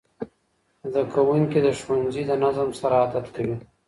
زدهکوونکي د ښوونځي د نظم سره عادت کوي.